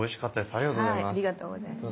ありがとうございます。